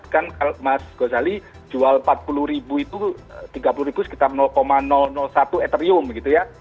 kan mas gozali jual rp empat puluh itu rp tiga puluh ribu sekitar satu etherium gitu ya